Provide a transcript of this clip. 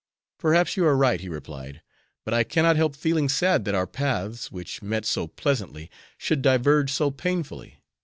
"Perhaps you are right," he replied; "but I cannot help feeling sad that our paths, which met so pleasantly, should diverge so painfully.